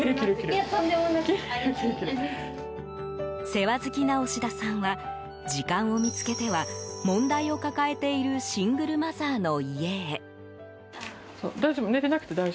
世話好きな押田さんは時間を見つけては問題を抱えているシングルマザーの家へ。